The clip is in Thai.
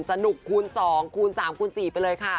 สนุกคูณสองคูณสามคูณสี่ไปเลยค่ะ